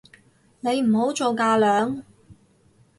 你唔好做架樑